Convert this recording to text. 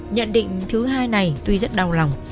nhận định thứ hai này tuy rất đau lòng